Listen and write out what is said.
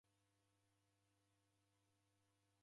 Ndeone kilambo chingi ikwau